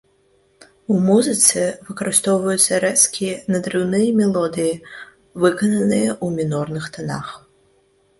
У музыцы выкарыстоўваюцца рэзкія, надрыўныя мелодыі, выкананыя ў мінорных танах.